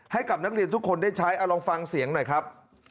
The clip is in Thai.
ให้กับนักเรียนทุกคนได้ใช้เอาลองฟังเสียงหน่อยครับ